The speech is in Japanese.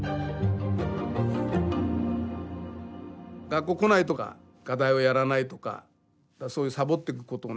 学校来ないとか課題をやらないとかそういうさぼってくことをね